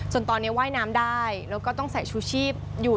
ตอนนี้ว่ายน้ำได้แล้วก็ต้องใส่ชูชีพอยู่